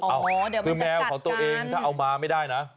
อ๋อเดี๋ยวมันจะกัดกันคือแมวของตัวเองถ้าเอามาไม่ได้นะ